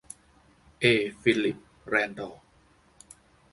เอ ฟิลลิป แรนดอ